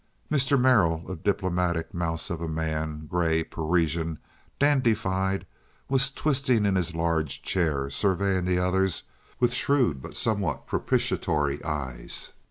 Mr. Merrill, a diplomatic mouse of a man—gray, Parisian, dandified—was twisting in his large chair, surveying the others with shrewd though somewhat propitiatory eyes.